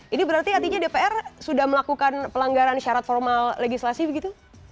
ini berarti artinya dpr sudah melakukan pelanggaran syarat formal legislasi begitu